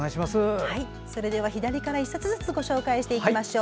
それでは、左から１冊ずつご紹介していきましょう。